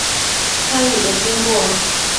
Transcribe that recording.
参与的经过